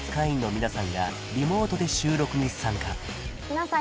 皆さん